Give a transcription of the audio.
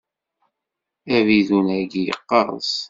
Abidun-agi yeqqers.